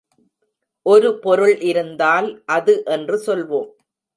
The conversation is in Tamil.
ஒரு பொருள் இருந்தால் அது என்று சொல்வோம்.